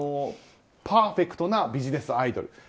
パーフェクトなビジネスアイドル。